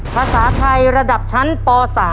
ภาษาไทยระดับชั้นป๓